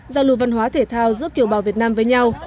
giao lưu văn hóa thể thao giữa kiểu bào việt nam với nhau